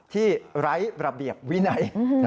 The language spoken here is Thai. ไร้ระเบียบวินัย